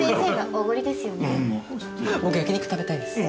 僕焼き肉食べたいです。